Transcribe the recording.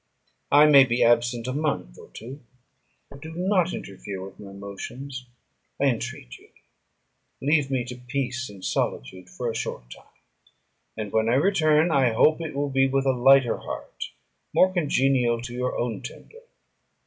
I may be absent a month or two; but do not interfere with my motions, I entreat you: leave me to peace and solitude for a short time; and when I return, I hope it will be with a lighter heart, more congenial to your own temper."